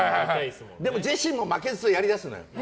でもジェシーも負けじとやりだすのよ。